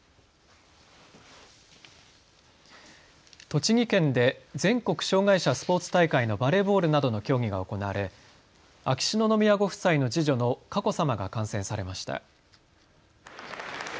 栃木県で全国障害者スポーツ大会のバレーボールなどの競技が行われ秋篠宮ご夫妻の次女の佳子さまが観戦されました。